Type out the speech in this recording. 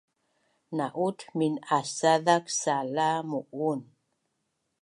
na’ut min’asazak sala mu’un